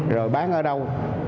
rồi bán ở đâu